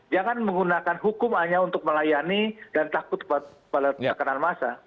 jangan menggunakan hukum hanya untuk melayani dan takut pada tekanan massa